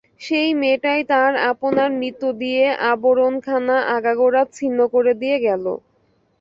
সেই মেয়েটাই তার আপনার মৃত্যু দিয়ে আবরণখানা আগাগোড়া ছিন্ন করে দিয়ে গেল।